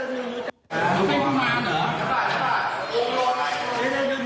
ให้น้ำแดงก่อนให้น้ำแดง